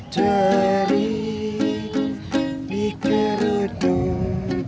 teri di kerutun